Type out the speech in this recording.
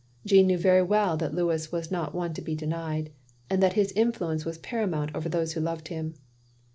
" Jeanne knew very weill that Louis was not one to be denied, and that his influence was paramount over those who loved him.